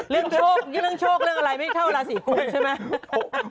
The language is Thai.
เรื่องโชคเรื่องอะไรไม่เท่าราศีกุลใช่ไหม